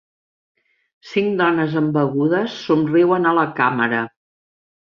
Cinc dones amb begudes somriuen a la càmera